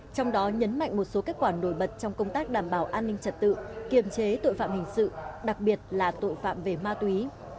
trong đó nhấn mạnh một số kết quả nổi bật trong công tác đảm bảo an ninh trật tự kiềm chế tội phạm hình sự đặc biệt là tội phạm về ma túy